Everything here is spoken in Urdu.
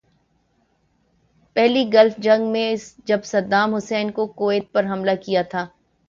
پہلی گلف جنگ میں جب صدام حسین نے کویت پہ حملہ کیا تھا۔